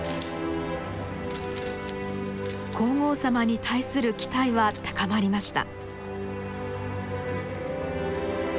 皇后さまに対する期待は高まりました。